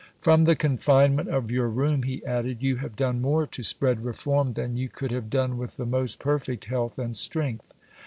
"From the confinement of your room," he added, "you have done more to spread reform than you could have done with the most perfect health and strength."